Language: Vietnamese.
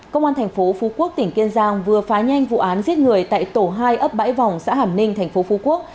công an tp phú quốc tỉnh kiên giang vừa phá nhanh vụ án giết người tại tổ hai ấp bãi vòng xã hàm ninh tp phú quốc